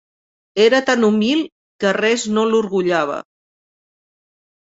Era tan humil, que res no l'orgullava.